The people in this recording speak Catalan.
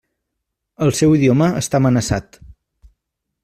El seu idioma està amenaçat.